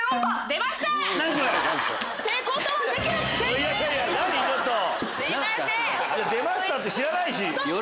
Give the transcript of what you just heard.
「出ました」って知らない。